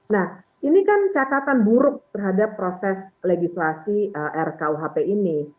nah ini kan catatan buruk terhadap proses legislasi rkuhp ini